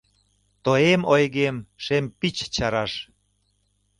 Тоем ойгем шем пич чараш.